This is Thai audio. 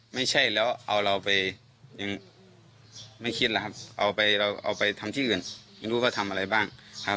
ไม่ใช่แล้วเอาเราไปยัง